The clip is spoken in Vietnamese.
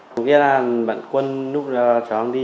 thứ kia là bạn quân lúc đó cháu đang đi